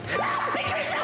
びっくりした！？